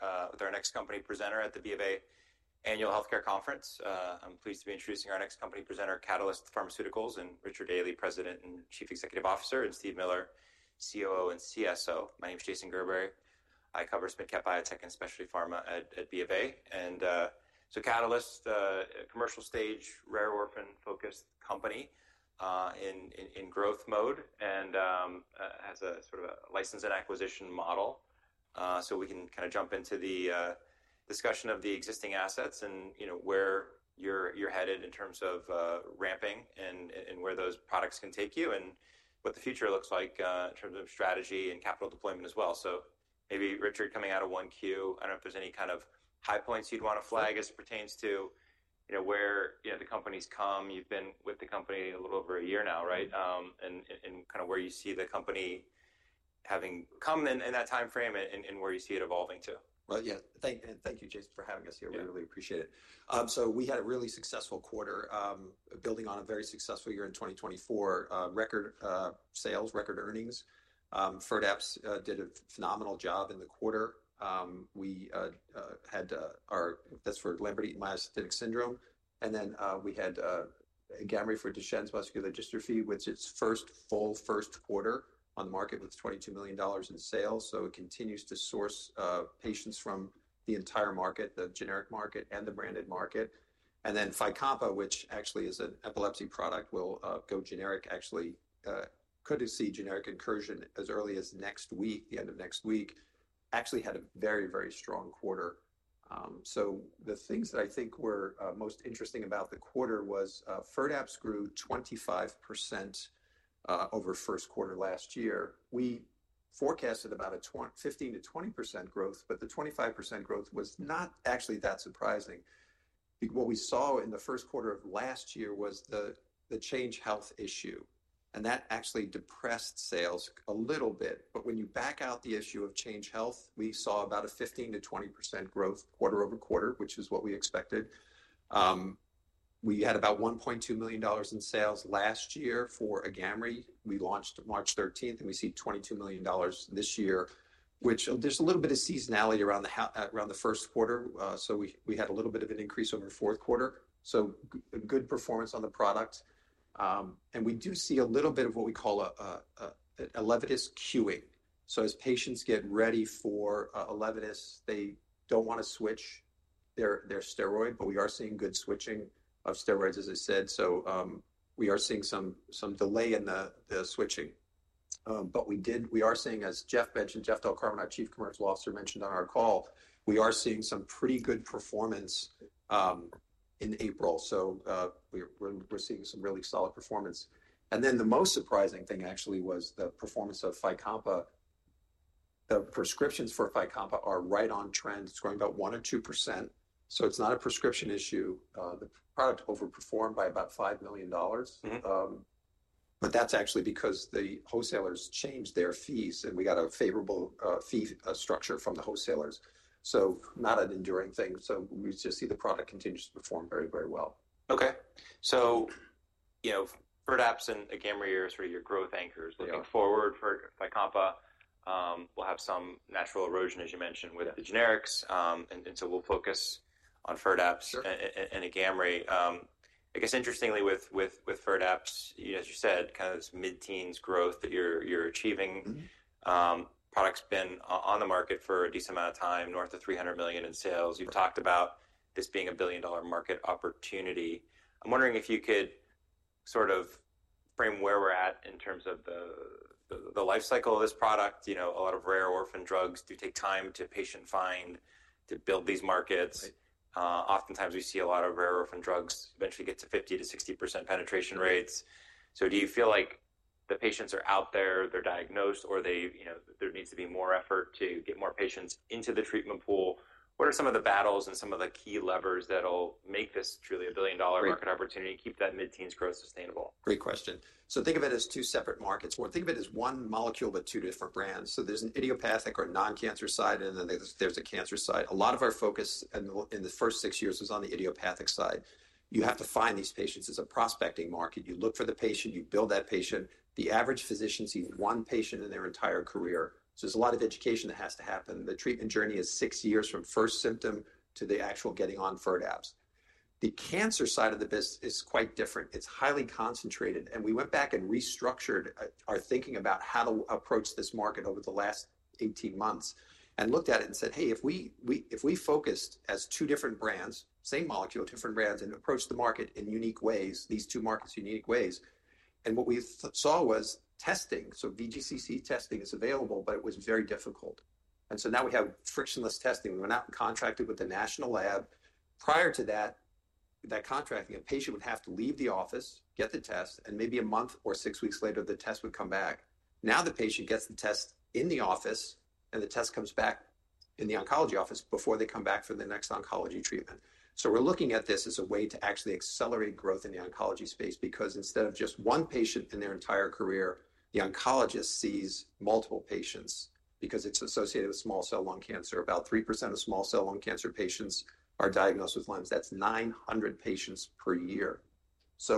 Here, with our next company presenter at the BofA Annual Healthcare Conference. I'm pleased to be introducing our next company presenter, Catalyst Pharmaceuticals, and Richard Daly, President and Chief Executive Officer, and Steve Miller, COO and CSO. My name is Jason Gerberry. I cover Smithcap Biotech and Specialty Pharma at BofA. Catalyst, a commercial stage, rare orphan-focused company in growth mode and has a sort of a license and acquisition model. We can kind of jump into the discussion of the existing assets and where you're headed in terms of ramping and where those products can take you and what the future looks like in terms of strategy and capital deployment as well. Maybe Richard, coming out of 1Q, I don't know if there's any kind of high points you'd want to flag as it pertains to where the company's come. You've been with the company a little over a year now, right? Kind of where you see the company having come in that timeframe and where you see it evolving to. Thank you, Jason, for having us here. We really appreciate it. We had a really successful quarter, building on a very successful year in 2024, record sales, record earnings. FIRDAPSE did a phenomenal job in the quarter. We had our best for Lambert-Eaton myasthenic syndrome. We had AGAMREE for Duchenne muscular dystrophy, which its first full first quarter on the market with $22 million in sales. It continues to source patients from the entire market, the generic market and the branded market. FYCOMPA, which actually is an epilepsy product, will go generic, actually could see generic incursion as early as next week, the end of next week, actually had a very, very strong quarter. The things that I think were most interesting about the quarter was FIRDAPSE grew 25% over first quarter last year. We forecasted about a 15%-20% growth, but the 25% growth was not actually that surprising. What we saw in the first quarter of last year was the Change Healthcare issue. That actually depressed sales a little bit. When you back out the issue of Change Healthcare, we saw about a 15%-20% growth quarter-over-quarter, which is what we expected. We had about $1.2 million in sales last year for AGAMREE. We launched March 13th, and we see $22 million this year, which, there's a little bit of seasonality around the first quarter. We had a little bit of an increase over fourth quarter. Good performance on the product. We do see a little bit of what we call ELEVIDYS queuing. As patients get ready for ELEVIDYS, they do not want to switch their steroid, but we are seeing good switching of steroids, as I said. We are seeing some delay in the switching. We are seeing, as Jeff mentioned, Jeff Del Carmen, our Chief Commercial Officer mentioned on our call, we are seeing some pretty good performance in April. We are seeing some really solid performance. The most surprising thing actually was the performance of FYCOMPA. The prescriptions for FYCOMPA are right on trend. It is growing about 1% or 2%. It is not a prescription issue. The product overperformed by about $5 million. That is actually because the wholesalers changed their fees, and we got a favorable fee structure from the wholesalers. Not an enduring thing. We just see the product continues to perform very, very well. Okay. So FIRDAPSE and AGAMREE are sort of your growth anchors looking forward. For FYCOMPA, we'll have some natural erosion, as you mentioned, with the generics. And so we'll focus on FIRDAPSE and AGAMREE. I guess, interestingly, with FIRDAPSE, as you said, kind of this mid-teens growth that you're achieving. Product's been on the market for a decent amount of time, north of $300 million in sales. You've talked about this being a billion-dollar market opportunity. I'm wondering if you could sort of frame where we're at in terms of the life cycle of this product. A lot of rare orphan drugs do take time to patient find, to build these markets. Oftentimes, we see a lot of rare orphan drugs eventually get to 50%-60% penetration rates. Do you feel like the patients are out there, they're diagnosed, or there needs to be more effort to get more patients into the treatment pool? What are some of the battles and some of the key levers that'll make this truly a billion-dollar market opportunity and keep that mid-teens growth sustainable? Great question. Think of it as two separate markets. Or think of it as one molecule, but two different brands. There is an idiopathic or non-cancer side, and then there is a cancer side. A lot of our focus in the first six years was on the idiopathic side. You have to find these patients. It is a prospecting market. You look for the patient, you build that patient. The average physician sees one patient in their entire career. There is a lot of education that has to happen. The treatment journey is six years from first symptom to the actual getting on FIRDAPSE. The cancer side of the business is quite different. It is highly concentrated. We went back and restructured our thinking about how to approach this market over the last 18 months and looked at it and said, "Hey, if we focused as two different brands, same molecule, different brands, and approached the market in unique ways, these two markets in unique ways." What we saw was testing. VGCC testing is available, but it was very difficult. Now we have frictionless testing. We went out and contracted with the national lab. Prior to that contracting, a patient would have to leave the office, get the test, and maybe a month or six weeks later, the test would come back. Now the patient gets the test in the office, and the test comes back in the oncology office before they come back for the next oncology treatment. We're looking at this as a way to actually accelerate growth in the oncology space because instead of just one patient in their entire career, the oncologist sees multiple patients because it's associated with small cell lung cancer. About 3% of small cell lung cancer patients are diagnosed with LEMS. That's 900 patients per year.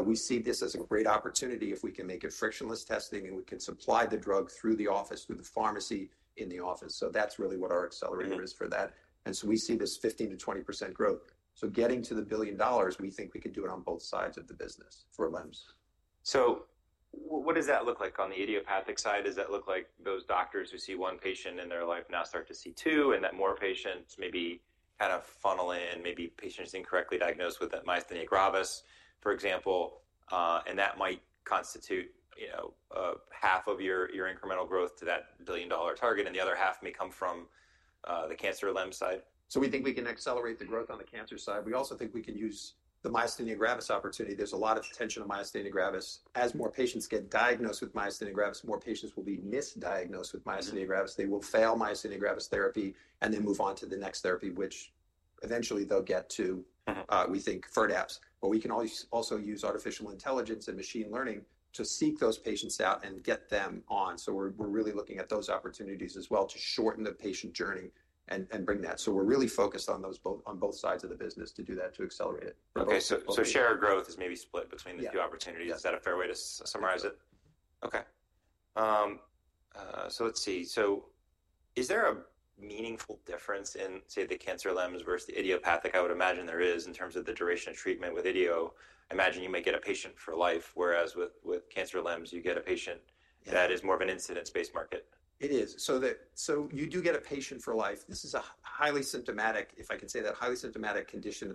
We see this as a great opportunity if we can make it frictionless testing and we can supply the drug through the office, through the pharmacy in the office. That's really what our accelerator is for that. We see this 15%-20% growth. Getting to the billion dollars, we think we could do it on both sides of the business for LEMS. What does that look like on the idiopathic side? Does that look like those doctors who see one patient in their life now start to see two and that more patients maybe kind of funnel in, maybe patients incorrectly diagnosed with that myasthenia gravis, for example, and that might constitute half of your incremental growth to that billion-dollar target, and the other half may come from the cancer or LEMS side? We think we can accelerate the growth on the cancer side. We also think we can use the myasthenia gravis opportunity. There is a lot of attention on myasthenia gravis. As more patients get diagnosed with myasthenia gravis, more patients will be misdiagnosed with myasthenia gravis. They will fail myasthenia gravis therapy and then move on to the next therapy, which eventually they will get to, we think, FIRDAPSE. We can also use artificial intelligence and machine learning to seek those patients out and get them on. We are really looking at those opportunities as well to shorten the patient journey and bring that. We are really focused on both sides of the business to do that, to accelerate it. Okay. So share of growth is maybe split between the two opportunities. Is that a fair way to summarize it? Yeah. Okay. Let's see. Is there a meaningful difference in, say, the cancer LEMS versus the idiopathic? I would imagine there is in terms of the duration of treatment with idios. I imagine you might get a patient for life, whereas with cancer LEMS, you get a patient that is more of an incidence-based market. It is. You do get a patient for life. This is a highly symptomatic, if I can say that, highly symptomatic condition.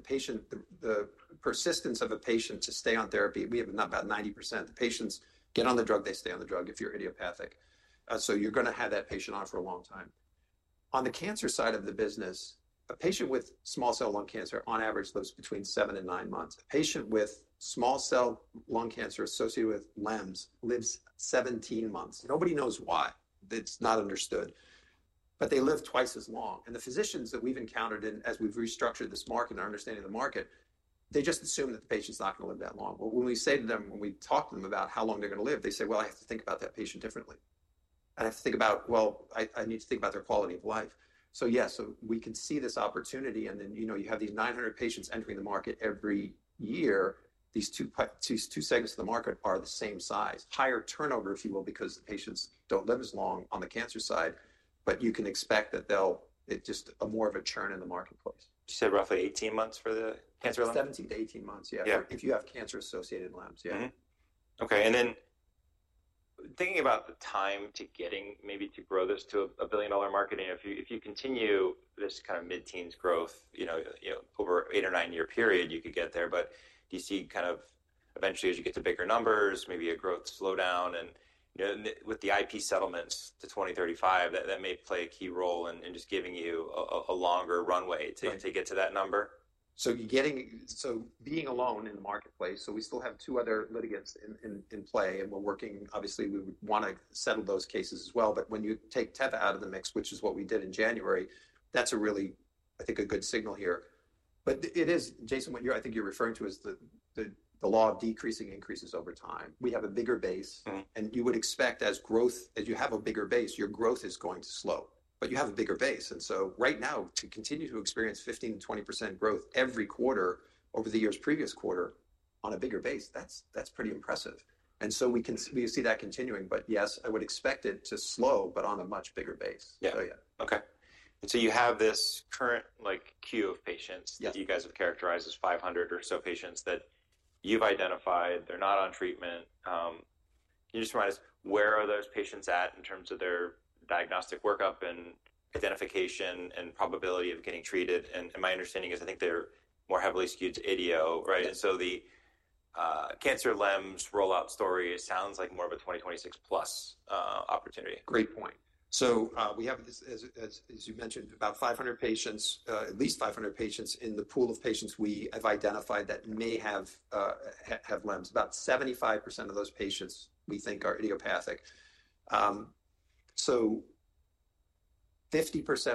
The persistence of a patient to stay on therapy, we have about 90%. The patients get on the drug, they stay on the drug if you're idiopathic. You're going to have that patient on for a long time. On the cancer side of the business, a patient with small cell lung cancer on average lives between seven and nine months. A patient with small cell lung cancer associated with LEMS lives 17 months. Nobody knows why. It's not understood. They live twice as long. The physicians that we've encountered as we've restructured this market and our understanding of the market, they just assume that the patient's not going to live that long. When we say to them, when we talk to them about how long they're going to live, they say, "Well, I have to think about that patient differently. I have to think about, well, I need to think about their quality of life." Yeah, we can see this opportunity. You have these 900 patients entering the market every year. These two segments of the market are the same size. Higher turnover, if you will, because the patients do not live as long on the cancer side, but you can expect that they'll just have more of a churn in the marketplace. You said roughly 18 months for the cancer LEMS? 17months-18 months, yeah. If you have cancer-associated LEMS, yeah. Okay. And then thinking about the time to getting maybe to grow this to a billion-dollar market, if you continue this kind of mid-teens growth over an eight- or nine-year period, you could get there. Do you see kind of eventually, as you get to bigger numbers, maybe a growth slowdown? With the IP settlements to 2035, that may play a key role in just giving you a longer runway to get to that number? Being alone in the marketplace, we still have two other litigants in play, and we're working. Obviously, we want to settle those cases as well. When you take TEPA out of the mix, which is what we did in January, that's a really, I think, a good signal here. It is, Jason, what I think you're referring to is the law of decreasing increases over time. We have a bigger base, and you would expect as growth, as you have a bigger base, your growth is going to slow. You have a bigger base. Right now, to continue to experience 15%-20% growth every quarter over the year's previous quarter on a bigger base, that's pretty impressive. We see that continuing. Yes, I would expect it to slow, but on a much bigger base. Yeah. Okay. You have this current queue of patients that you guys have characterized as 500 or so patients that you've identified. They're not on treatment. Can you just remind us where are those patients at in terms of their diagnostic workup and identification and probability of getting treated? My understanding is I think they're more heavily skewed to idios, right? The cancer LEMS rollout story sounds like more of a 2026+ opportunity. Great point. We have, as you mentioned, about 500 patients, at least 500 patients in the pool of patients we have identified that may have LEMS. About 75% of those patients we think are idiopathic. 50%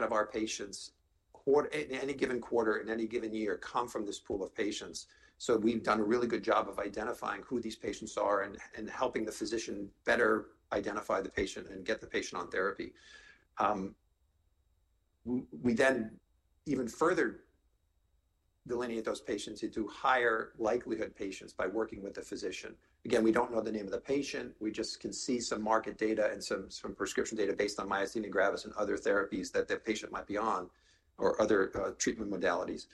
of our patients in any given quarter, in any given year, come from this pool of patients. We have done a really good job of identifying who these patients are and helping the physician better identify the patient and get the patient on therapy. We then even further delineate those patients into higher likelihood patients by working with the physician. Again, we do not know the name of the patient. We just can see some market data and some prescription data based on myasthenia gravis and other therapies that the patient might be on or other treatment modalities.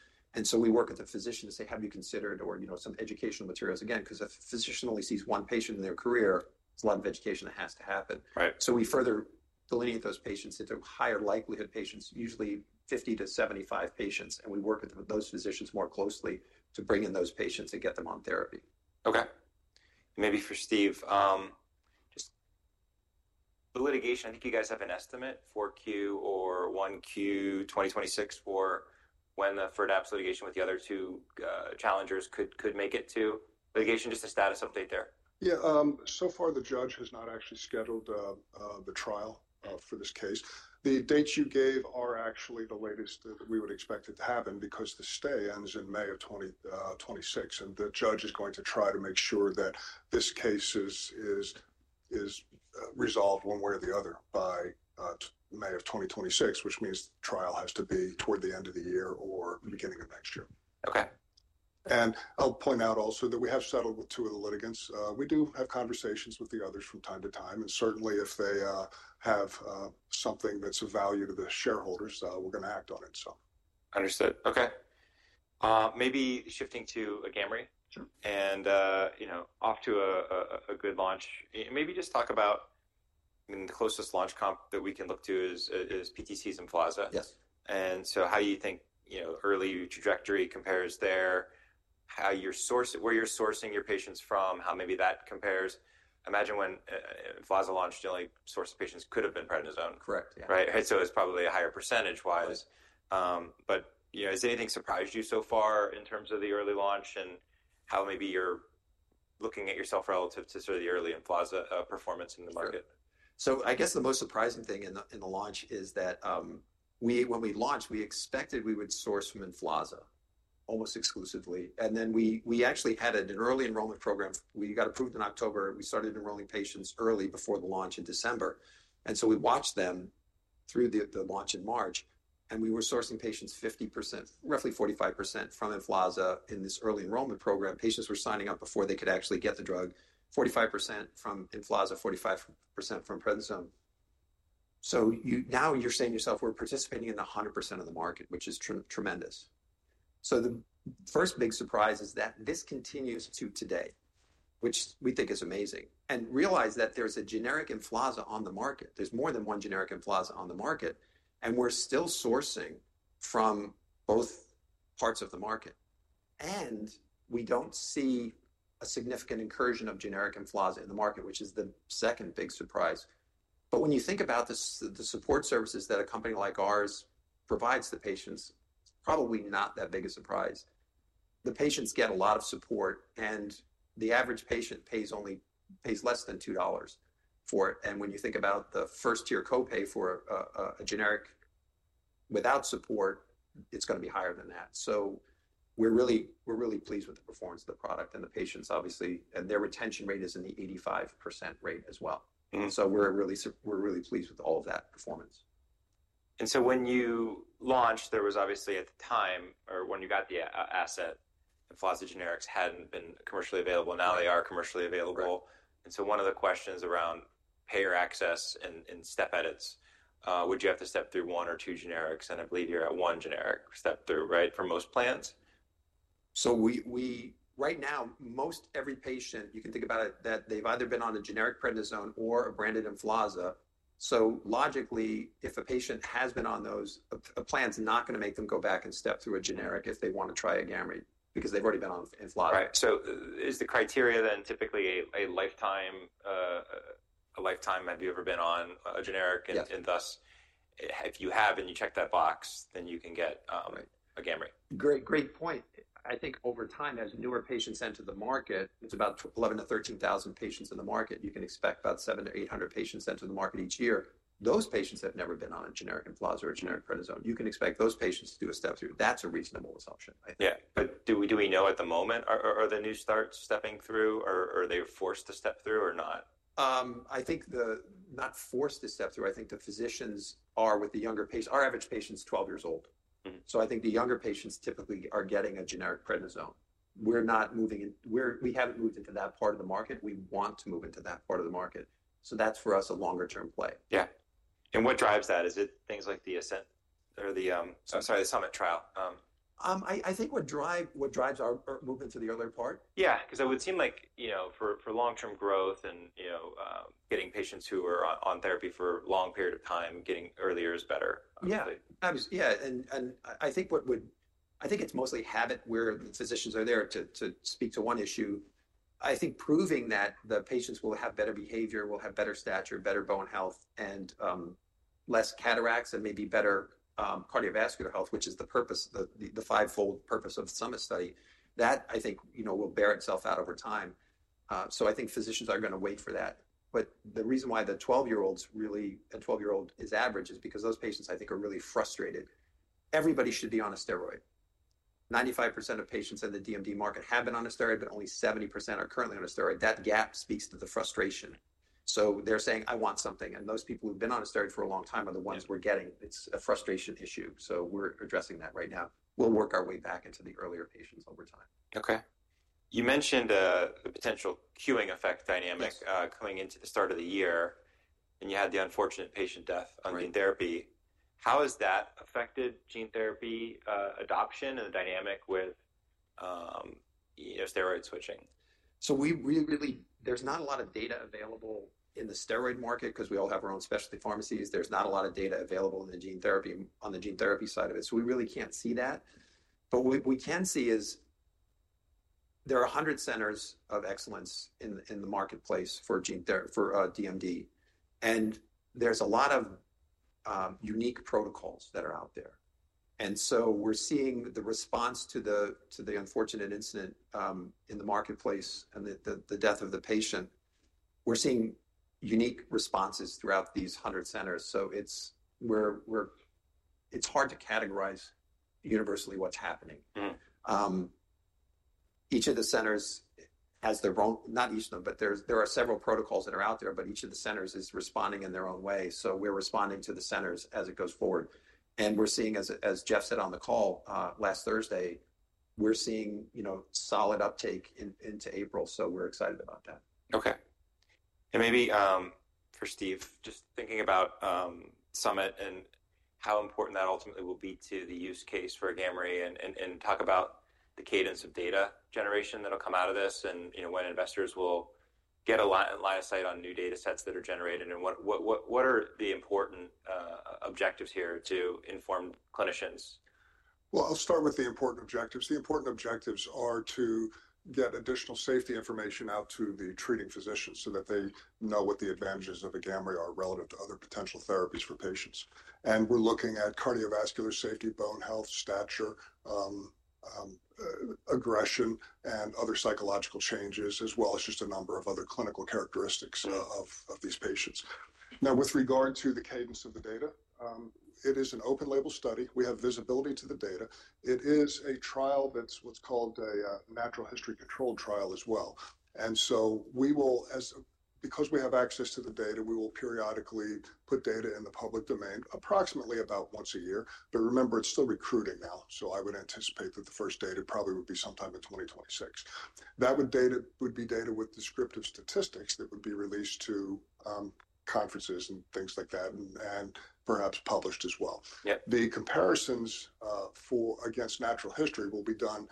We work with the physician to say, "Have you considered?" or some educational materials. Again, because a physician only sees one patient in their career, there's a lot of education that has to happen. We further delineate those patients into higher likelihood patients, usually 50 patients-75 patients. We work with those physicians more closely to bring in those patients and get them on therapy. Okay. Maybe for Steve, just the litigation, I think you guys have an estimate for Q1 2026 for when the FIRDAPSE litigation with the other two challengers could make it to litigation, just a status update there. Yeah. So far, the judge has not actually scheduled the trial for this case. The dates you gave are actually the latest that we would expect it to happen because the stay ends in May of 2026. The judge is going to try to make sure that this case is resolved one way or the other by May of 2026, which means the trial has to be toward the end of the year or the beginning of next year. Okay. I'll point out also that we have settled with two of the litigants. We do have conversations with the others from time to time. Certainly, if they have something that's of value to the shareholders, we're going to act on it. Understood. Okay. Maybe shifting to AGAMREE and off to a good launch. Maybe just talk about the closest launch comp that we can look to is PTC's Emflaza. And so how do you think early trajectory compares there, where you're sourcing your patients from, how maybe that compares? I imagine when Emflaza launched, the only source of patients could have been prednisone. Correct. Yeah. Right? It's probably a higher percentage-wise. Has anything surprised you so far in terms of the early launch and how maybe you're looking at yourself relative to sort of the early Emflaza performance in the market? I guess the most surprising thing in the launch is that when we launched, we expected we would source from Emflaza almost exclusively. We actually had an early enrollment program. We got approved in October. We started enrolling patients early before the launch in December. We watched them through the launch in March. We were sourcing patients 50%, roughly 45% from Emflaza in this early enrollment program. Patients were signing up before they could actually get the drug, 45% from Emflaza, 45% from prednisone. Now you're saying to yourself, "We're participating in 100% of the market," which is tremendous. The first big surprise is that this continues to today, which we think is amazing. Realize that there's a generic Emflaza on the market. There's more than one generic Emflaza on the market. We're still sourcing from both parts of the market. We don't see a significant incursion of generic Emflaza in the market, which is the second big surprise. When you think about the support services that a company like ours provides the patients, it's probably not that big a surprise. The patients get a lot of support, and the average patient pays less than $2 for it. When you think about the first-tier copay for a generic without support, it's going to be higher than that. We're really pleased with the performance of the product and the patients, obviously, and their retention rate is in the 85% rate as well. We're really pleased with all of that performance. When you launched, there was obviously at the time or when you got the asset, Emflaza generics hadn't been commercially available. Now they are commercially available. One of the questions around payer access and step edits, would you have to step through one or two generics? I believe you're at one generic step through, right, for most plans? Right now, most every patient, you can think about it that they've either been on a generic prednisone or a branded Emflaza. Logically, if a patient has been on those, a plan's not going to make them go back and step through a generic if they want to try AGAMREE because they've already been on Emflaza. Right. So is the criteria then typically a lifetime? Have you ever been on a generic? And thus, if you have and you check that box, then you can get AGAMREE. Great point. I think over time, as newer patients enter the market, it's about 11,000patients-13,000 patients in the market. You can expect about 700patients-800 patients enter the market each year. Those patients have never been on a generic Emflaza or a generic prednisone. You can expect those patients to do a step through. That's a reasonable assumption, I think. Yeah. Do we know at the moment, are the new starts stepping through, or are they forced to step through or not? I think not forced to step through. I think the physicians are with the younger patients. Our average patient's 12 years old. I think the younger patients typically are getting a generic prednisone. We haven't moved into that part of the market. We want to move into that part of the market. That's for us a longer-term play. Yeah. And what drives that? Is it things like the Ascent or the, I'm sorry, the Summit trial? I think what drives our movement to the other part. Yeah. Because it would seem like for long-term growth and getting patients who are on therapy for a long period of time, getting earlier is better. Yeah. I think it's mostly habit where the physicians are there to speak to one issue. I think proving that the patients will have better behavior, will have better stature, better bone health, and less cataracts and maybe better cardiovascular health, which is the purpose, the five-fold purpose of the summit study, that I think will bear itself out over time. I think physicians are going to wait for that. The reason why the 12-year-old is average is because those patients, I think, are really frustrated. Everybody should be on a steroid. 95% of patients in the DMD market have been on a steroid, but only 70% are currently on a steroid. That gap speaks to the frustration. They're saying, "I want something." Those people who've been on a steroid for a long time are the ones we're getting. It's a frustration issue. We're addressing that right now. We'll work our way back into the earlier patients over time. Okay. You mentioned a potential queuing effect dynamic coming into the start of the year, and you had the unfortunate patient death on gene therapy. How has that affected gene therapy adoption and the dynamic with steroid switching? There's not a lot of data available in the steroid market because we all have our own specialty pharmacies. There's not a lot of data available on the gene therapy side of it. We really can't see that. What we can see is there are 100 centers of excellence in the marketplace for DMD. There's a lot of unique protocols that are out there. We're seeing the response to the unfortunate incident in the marketplace and the death of the patient. We're seeing unique responses throughout these 100 centers. It's hard to categorize universally what's happening. Each of the centers has their own—not each of them, but there are several protocols that are out there, but each of the centers is responding in their own way. We're responding to the centers as it goes forward. We're seeing, as Jeff said on the call last Thursday, we're seeing solid uptake into April. We are excited about that. Okay. Maybe for Steve, just thinking about summit and how important that ultimately will be to the use case for AGAMREE and talk about the cadence of data generation that'll come out of this and when investors will get a line of sight on new data sets that are generated. What are the important objectives here to inform clinicians? I'll start with the important objectives. The important objectives are to get additional safety information out to the treating physicians so that they know what the advantages of AGAMREE are relative to other potential therapies for patients. We're looking at cardiovascular safety, bone health, stature, aggression, and other psychological changes, as well as just a number of other clinical characteristics of these patients. Now, with regard to the cadence of the data, it is an open-label study. We have visibility to the data. It is a trial that's what's called a natural history control trial as well. Because we have access to the data, we will periodically put data in the public domain approximately about once a year. Remember, it's still recruiting now. I would anticipate that the first data probably would be sometime in 2026. That would be data with descriptive statistics that would be released to conferences and things like that and perhaps published as well. The comparisons against natural history will be done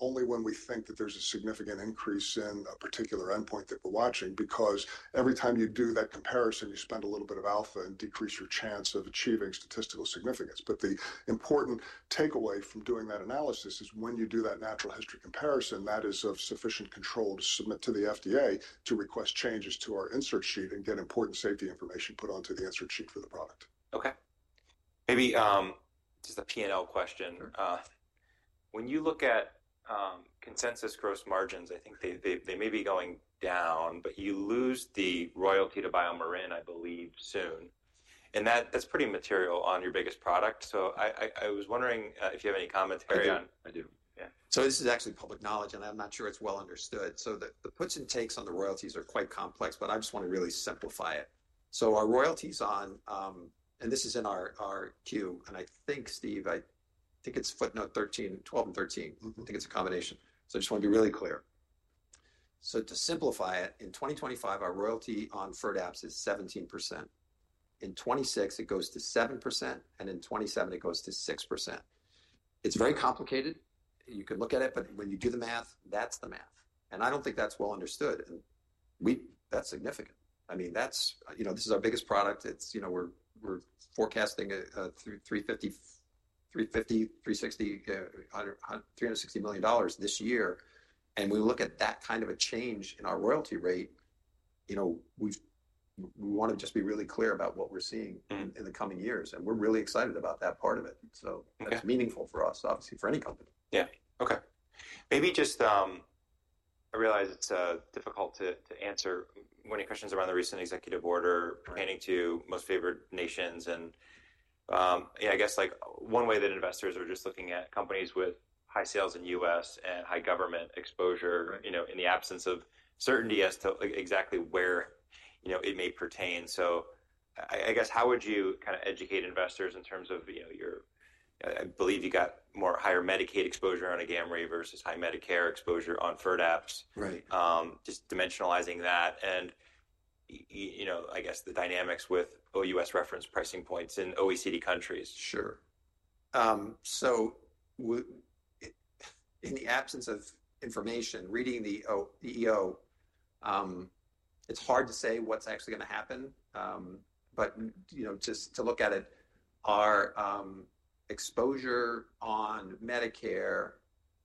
only when we think that there's a significant increase in a particular endpoint that we're watching because every time you do that comparison, you spend a little bit of alpha and decrease your chance of achieving statistical significance. The important takeaway from doing that analysis is when you do that natural history comparison, that is of sufficient control to submit to the FDA to request changes to our insert sheet and get important safety information put onto the insert sheet for the product. Okay. Maybe just a P&L question. When you look at consensus gross margins, I think they may be going down, but you lose the royalty to BioMarin, I believe, soon. And that's pretty material on your biggest product. So I was wondering if you have any commentary. I do. This is actually public knowledge, and I'm not sure it's well understood. The puts and takes on the royalties are quite complex, but I just want to really simplify it. Our royalties on—and this is in our Q—and I think, Steve, I think it's footnote 12 and 13. I think it's a combination. I just want to be really clear. To simplify it, in 2025, our royalty on FIRDAPSE is 17%. In 2026, it goes to 7%, and in 2027, it goes to 6%. It's very complicated. You can look at it, but when you do the math, that's the math. I don't think that's well understood. That's significant. I mean, this is our biggest product. We're forecasting $350 million, $360 million this year. When we look at that kind of a change in our royalty rate, we want to just be really clear about what we're seeing in the coming years. We're really excited about that part of it. That's meaningful for us, obviously, for any company. Yeah. Okay. Maybe just I realize it's difficult to answer any questions around the recent executive order pertaining to most favored nations. I guess one way that investors are just looking at companies with high sales in the U.S. and high government exposure in the absence of certainty as to exactly where it may pertain. I guess how would you kind of educate investors in terms of your—I believe you got more higher Medicaid exposure on AGAMREE versus high Medicare exposure on FIRDAPSE—just dimensionalizing that and, I guess, the dynamics with U.S. reference pricing points in OECD countries. Sure. In the absence of information, reading the EEO, it's hard to say what's actually going to happen. Just to look at it, our exposure on Medicare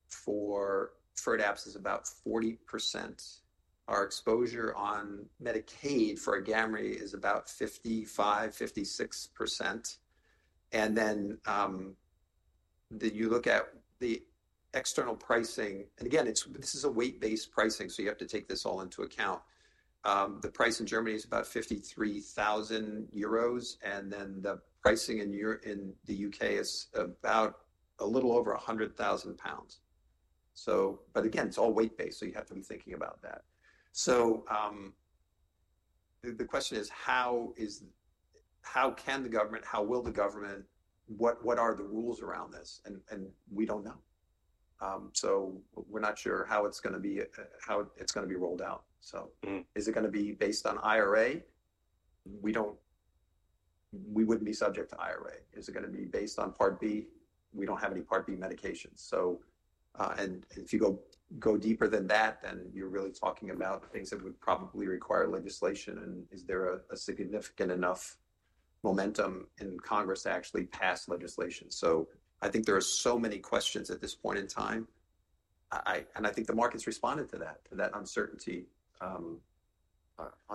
for FIRDAPSE is about 40%. Our exposure on Medicaid for AGAMREE is about 55%-56%. You look at the external pricing. Again, this is a weight-based pricing, so you have to take this all into account. The price in Germany is about 53,000 euros. The pricing in the U.K. is about a little over 100,000 pounds. Again, it's all weight-based, so you have to be thinking about that. The question is, how can the government—how will the government—what are the rules around this? We don't know. We're not sure how it's going to be—how it's going to be rolled out. Is it going to be based on IRA? We wouldn't be subject to IRA. Is it going to be based on Part B? We don't have any Part B medications. If you go deeper than that, then you're really talking about things that would probably require legislation. Is there a significant enough momentum in Congress to actually pass legislation? I think there are so many questions at this point in time. I think the market's responded to that, to that uncertainty on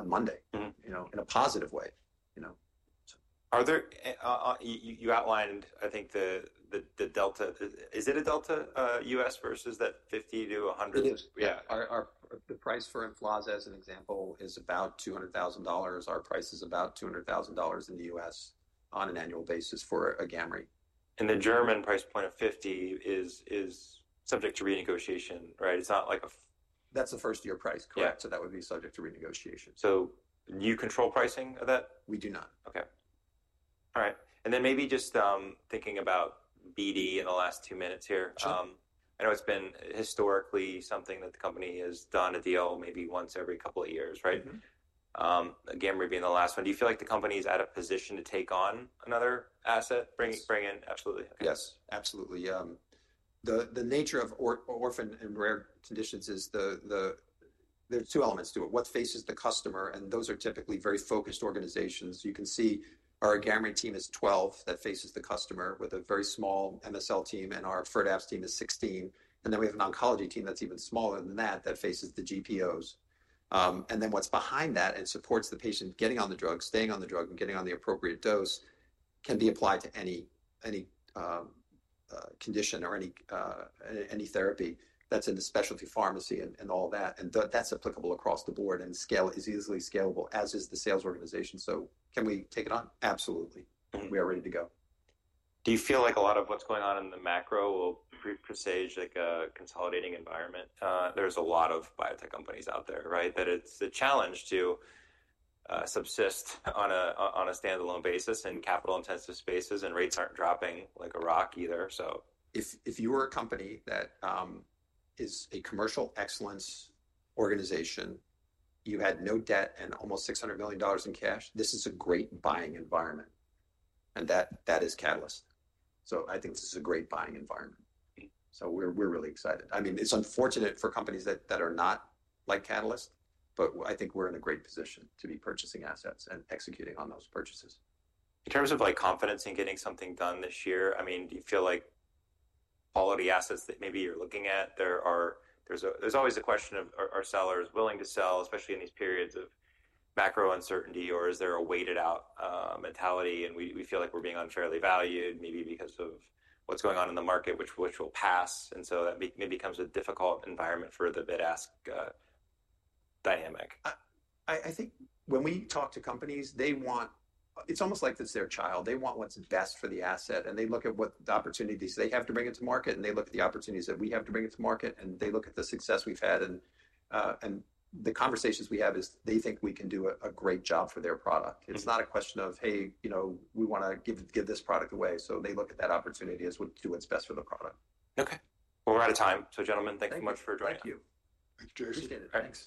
Monday in a positive way. Are there—you outlined, I think, the delta. Is it a delta U.S. versus that 50-100? It is. Yeah. The price for Emflaza, as an example, is about $200,000. Our price is about $200,000 in the US on an annual basis for AGAMREE. The German price point of 50 is subject to renegotiation, right? It's not like a. That's a first-year price, correct. So that would be subject to renegotiation. You control pricing of that? We do not. Okay. All right. And then maybe just thinking about BD in the last two minutes here. I know it's been historically something that the company has done a deal maybe once every couple of years, right? AGAMREE being the last one, do you feel like the company is at a position to take on another asset? Bring in? Absolutely. Yes. Absolutely. The nature of orphan and rare conditions is there's two elements to it. What faces the customer? And those are typically very focused organizations. You can see our AGAMREE team is 12 that faces the customer with a very small MSL team, and our FIRDAPSE team is 16. We have an oncology team that's even smaller than that that faces the GPOs. What's behind that and supports the patient getting on the drug, staying on the drug, and getting on the appropriate dose can be applied to any condition or any therapy that's in the specialty pharmacy and all that. That's applicable across the board, and scale is easily scalable, as is the sales organization. Can we take it on? Absolutely. We are ready to go. Do you feel like a lot of what's going on in the macro will presage a consolidating environment? There's a lot of biotech companies out there, right, that it's a challenge to subsist on a standalone basis in capital-intensive spaces, and rates aren't dropping like a rock either, so. If you were a company that is a commercial excellence organization, you had no debt and almost $600 million in cash, this is a great buying environment. That is Catalyst. I think this is a great buying environment. We're really excited. I mean, it's unfortunate for companies that are not like Catalyst, but I think we're in a great position to be purchasing assets and executing on those purchases. In terms of confidence in getting something done this year, I mean, do you feel like quality assets that maybe you're looking at, there's always the question of are sellers willing to sell, especially in these periods of macro uncertainty, or is there a weighted-out mentality? We feel like we're being unfairly valued maybe because of what's going on in the market, which will pass. That maybe becomes a difficult environment for the bid-ask dynamic. I think when we talk to companies, it's almost like it's their child. They want what's best for the asset. They want what's best for the asset. They look at what the opportunities they have to bring it to market, and they look at the opportunities that we have to bring it to market. They look at the success we've had. The conversations we have is they think we can do a great job for their product. It's not a question of, "Hey, we want to give this product away." They look at that opportunity as what's best for the product. Okay. We're out of time. Gentlemen, thank you much for joining us. Thank you. Thanks, Jason Appreciate it. Thanks.